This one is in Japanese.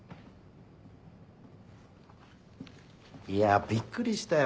いやびっくりしたよ